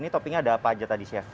ini toppingnya ada apa aja tadi chef